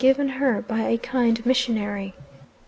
given her by a kind missionary.